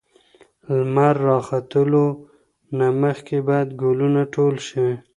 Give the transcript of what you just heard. لمر راختلو نه مخکې باید ګلونه ټول شي.